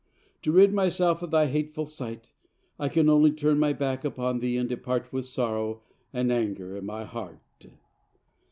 To rid myself of thy hateful sight, I can only turn my back upon thee and depart with sorrow and anger in my heart.